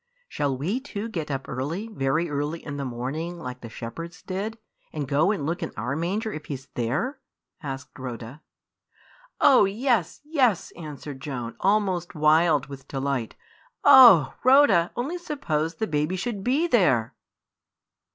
"Shall we two get up early, very early in the morning, like the shepherds did, and go and look in our manger if He 's there?" asked Rhoda. "Oh, yes, yes!" answered Joan, almost wild with delight. "Oh! Rhoda, only suppose the baby should be there!"